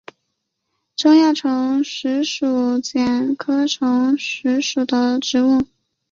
中亚虫实是苋科虫实属的植物。